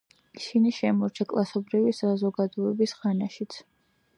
ისინი შემორჩა კლასობრივი საზოგადოების ხანაშიც.